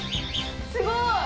すごい。